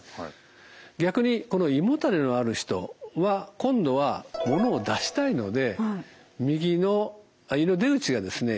逆にこの胃もたれのある人は今度はものを出したいので右の胃の出口がですね